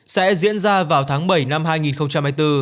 sẽ diễn ra vào tháng bảy năm hai nghìn hai mươi bốn